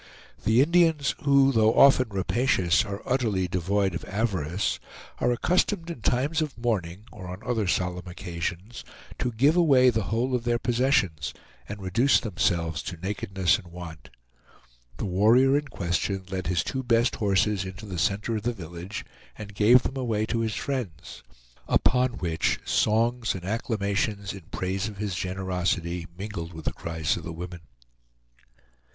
The Indians, who, though often rapacious, are utterly devoid of avarice, are accustomed in times of mourning, or on other solemn occasions, to give away the whole of their possessions, and reduce themselves to nakedness and want. The warrior in question led his two best horses into the center of the village, and gave them away to his friends; upon which songs and acclamations in praise of his generosity mingled with the cries of the women.